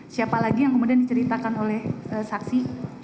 siapa lagi yang kemudian diceritakan oleh saksi